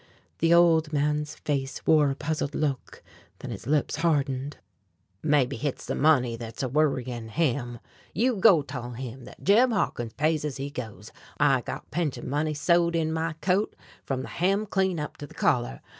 The old man's face wore a puzzled look, then his lips hardened: "Mebbe hit's the money thet's a woriyin' him. You go toll him that Jeb Hawkins pays ez he goes! I got pension money sewed in my coat frum the hem clean up to the collar.